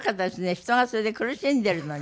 人がそれで苦しんでいるのに。